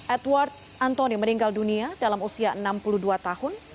edward antoni meninggal dunia dalam usia enam puluh dua tahun